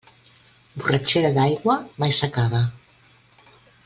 Borratxera d'aigua, mai s'acaba.